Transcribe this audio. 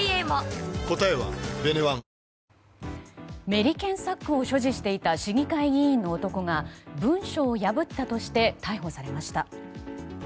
メリケンサックを所持していた市議会議員の男が文書を破ったとして逮捕されました。